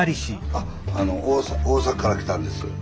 大阪から来たんです。